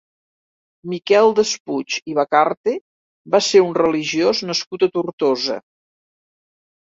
Miquel Despuig i Vacarte va ser un religiós nascut a Tortosa.